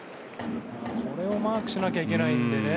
これをマークしなきゃいけないんでね。